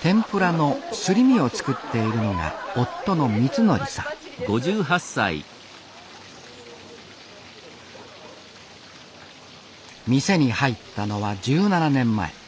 天ぷらのすり身を作っているのが夫の光則さん店に入ったのは１７年前。